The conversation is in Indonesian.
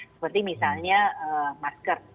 seperti misalnya masker